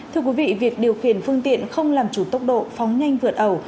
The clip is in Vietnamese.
thưa quý vị việc điều khiển phương tiện không làm chủ tốc độ phóng nhanh vượt ẩu